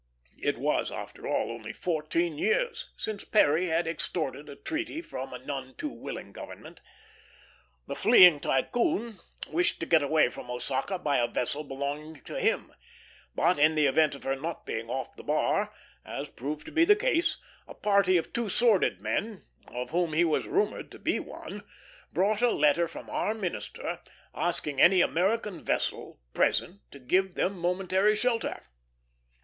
It was, after all, only fourteen years since Perry had extorted a treaty from a none too willing government. The fleeing Tycoon wished to get away from Osaka by a vessel belonging to him; but in the event of her not being off the bar as proved to be the case a party of two sworded men, of whom he was rumored to be one, brought a letter from our minister asking any American vessel present to give them momentary shelter.